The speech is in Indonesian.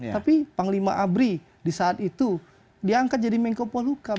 tapi panglima abri di saat itu diangkat jadi menko polhukam